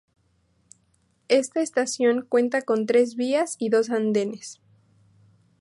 Esta estación cuenta con tres vías y dos andenes.